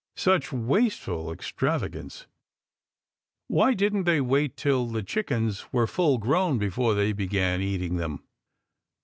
Such wasteful extravagance ! Why did n't they wait till the chickens were full grown before they began eating them?